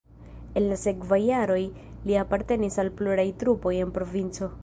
En la sekvaj jaroj li apartenis al pluraj trupoj en provinco.